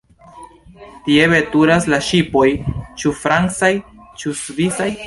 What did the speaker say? Tie veturas la ŝipoj, ĉu francaj, ĉu svisaj.